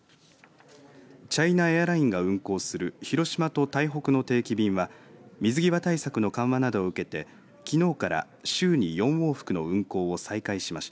チャイナエアラインが運航する広島と台北の定期便は水際対策の緩和などを受けてきのうから週に４往復の運航を再開しました。